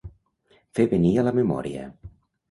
Fer venir a la memòria.